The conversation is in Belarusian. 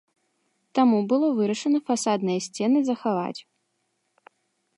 Таму было вырашана фасадныя сцены захаваць.